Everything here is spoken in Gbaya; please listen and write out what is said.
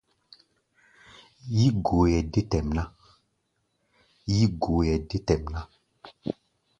Yí-goeʼɛ dé tɛʼm ná.